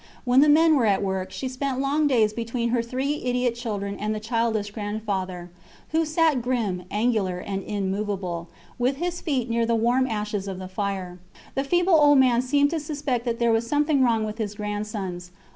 When the men were at work she spent long days between her three idiot children and the childish grandfather, who sat grim, angular, and immovable, with his feet near the warm ashes of the fire. The feeble old fellow seemed to suspect that there was something wrong with his grandsons.